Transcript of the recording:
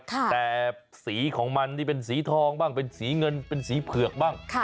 แต่สีของมันนี่เป็นสีทองบ้างเป็นสีเงินเป็นสีเผือกบ้าง